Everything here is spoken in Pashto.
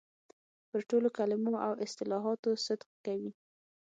پر ټولو کلمو او اصطلاحاتو صدق کوي.